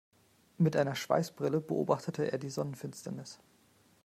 Mit einer Schweißbrille beobachtete er die Sonnenfinsternis.